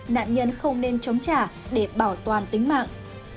nạn nhân không nên chống trả để bảo toàn tính mạng